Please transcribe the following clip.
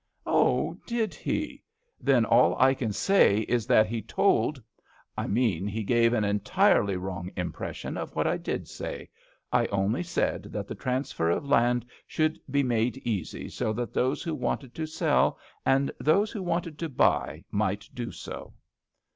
" Oh ! did he ? Then all I can say is that he told I mean he gave an entirely wrong impression of what I did say. I only said that the transfer of 164 GRANNV LOVELOCK AT HOME. land should be made easy, so that those who wanted to sell and those who wanted to buy might do so."